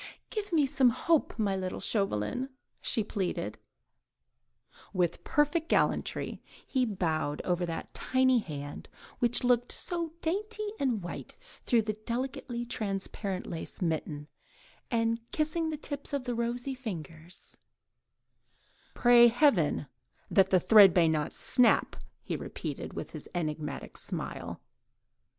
"Give me some hope, my little Chauvelin," she pleaded. With perfect gallantry he bowed over that tiny hand, which looked so dainty and white through the delicately transparent black lace mitten, and kissing the tips of the rosy fingers:— "Pray heaven that the thread may not snap," he repeated, with his enigmatic smile.